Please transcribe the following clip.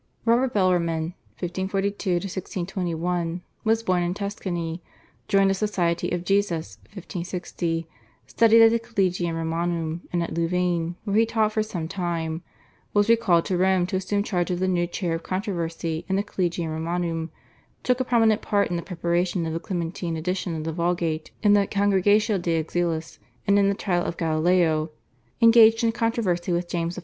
/Robert Bellarmine/ (1542 1621) was born in Tuscany, joined the Society of Jesus (1560), studied at the /Collegium Romanum/ and at Louvain, where he taught for some time, was recalled to Rome to assume charge of the new chair of controversy in the /Collegium Romanum/, took a prominent part in the preparation of the Clementine edition of the Vulgate, in the /Congregatio de Auxiliis/, and in the trial of Galileo, engaged in controversy with James I.